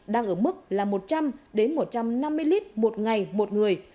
đang ở mức là một trăm linh một trăm năm mươi lít một ngày một người